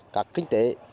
các kinh tế